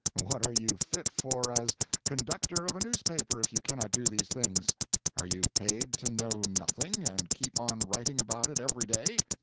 What are you fit for as conductor of a newspaper, if you cannot do these things? Are you paid to know nothing, and keep on writing about it every day?